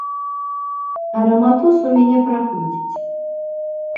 А раматус у мяне праходзіць.